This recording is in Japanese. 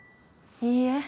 いいえ